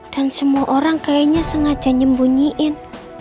dan semua orang kayaknya sengaja nyembunyiin